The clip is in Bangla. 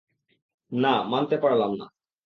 না, মানতে পারলাম না!